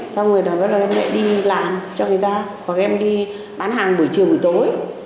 xong rồi em lại đi làm cho người ta hoặc em đi bán hàng buổi chiều buổi tối